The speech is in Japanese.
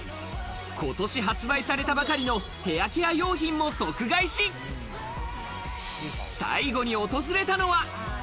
今年発売されたばかりのヘアケア用品も即買いし、最後に訪れたのは。